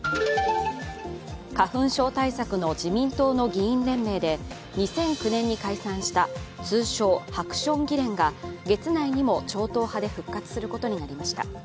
花粉症対策の自民党の議員連盟で２００９年に解散した通称・ハクション議連が月内にも超党派で復活することが分かりました。